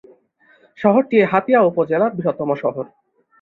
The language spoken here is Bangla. শহরটি হাতিয়া উপজেলার বৃহত্তম শহর।